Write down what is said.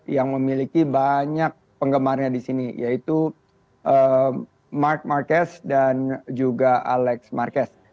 yang memiliki banyak penggemarnya di sini yaitu mark marquez dan juga alex marquez